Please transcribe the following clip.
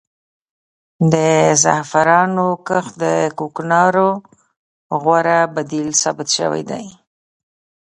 د زعفرانو کښت د کوکنارو غوره بدیل ثابت شوی دی.